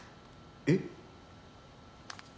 えっ？